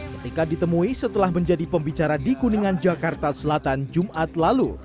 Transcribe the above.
ketika ditemui setelah menjadi pembicara di kuningan jakarta selatan jumat lalu